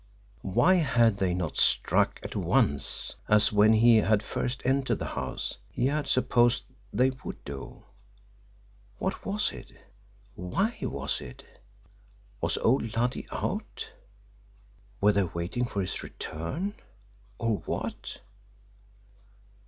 Why had they not struck at once, as, when he had first entered the house, he had supposed they would do? What was it? Why was it? Was old Luddy out? Were they waiting for his return or what?